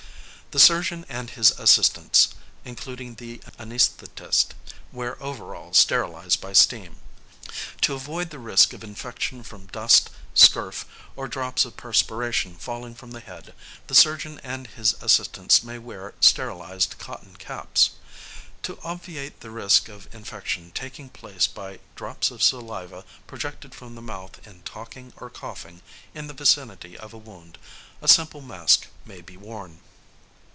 The surgeon and his assistants, including the anæsthetist, wear overalls sterilised by steam. To avoid the risk of infection from dust, scurf, or drops of perspiration falling from the head, the surgeon and his assistants may wear sterilised cotton caps. To obviate the risk of infection taking place by drops of saliva projected from the mouth in talking or coughing in the vicinity of a wound, a simple mask may be worn.